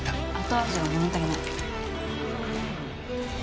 後味が物足りない。